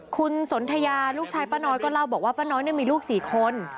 คุณสนทยาลูกชายป้าน้อยก็เล่าบอกว่าป้าน้อยมีลูก๔คน